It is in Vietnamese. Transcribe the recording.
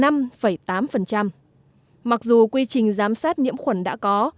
mặc dù quy trình giám sát nhiễm khuẩn đã có